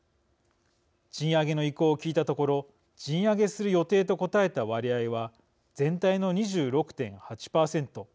賃上げの意向を聞いたところ「賃上げする予定」と答えた割合は全体の２６．８％。